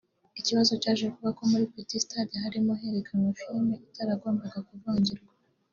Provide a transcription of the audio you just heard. Ikibazo cyaje kuba ko muri petit stade harimo herekanwa filimi itaragombaga kuvangirwa